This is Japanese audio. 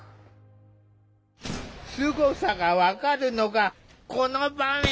すごさが分かるのがこの場面。